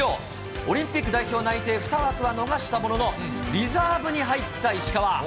オリンピック代表内定２枠は逃したものの、リザーブに入った石川。